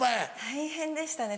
大変でしたね。